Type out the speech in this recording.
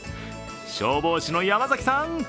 消防士の山崎さん。